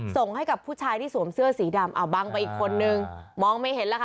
ส่งให้กับผู้ชายที่สวมเสื้อสีดำเอาบังไปอีกคนนึงมองไม่เห็นแล้วค่ะ